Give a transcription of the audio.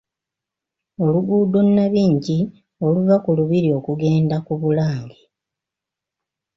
Oluguudo Nnabingi oluva ku lubiri okugenda ku Bulange .